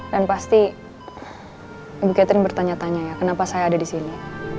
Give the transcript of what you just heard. dan pasti ibu catherine bertanya tanya ya kenapa saya ada di sini